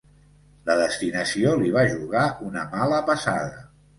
La destinació li va jugar una mala passada.